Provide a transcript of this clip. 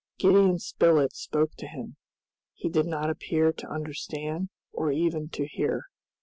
Gideon Spilett spoke to him. He did not appear to understand or even to hear.